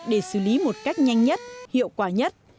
để xử lý một cách nhanh nhất hiệu quả nhất